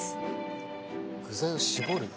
具材を絞るんだ。